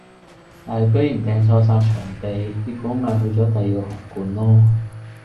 但系居然訂錯曬場地，結果咪去咗第二個紅館囉